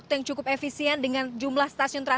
silahkan mila dengan informasinya